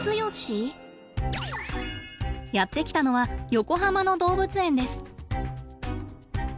やって来たのは横浜の動物園です。